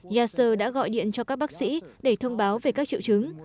nhà sơ đã gọi điện cho các bác sĩ để thông báo về các triệu chứng